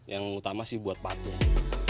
yang utama sih buat patung